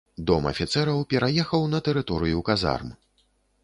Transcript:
Дом афіцэраў пераехаў на тэрыторыю казарм.